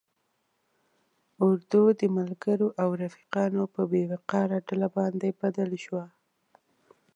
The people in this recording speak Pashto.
اردو د ملګرو او رفیقانو په بې وقاره ډله باندې بدل شوه.